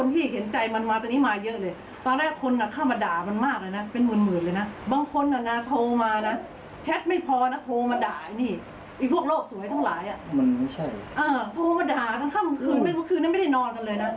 โทรมาด่าทั้งค่ำคืนไม่รู้คืนนั้นไม่ได้นอนกันเลยนะ